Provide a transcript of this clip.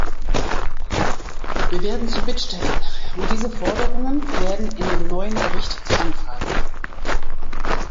Wir werden zu Bittstellern, und diese Forderungen werden in dem neuen Bericht zu Anfragen.